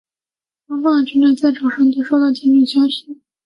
双方的军队在早上都收到进军的消息。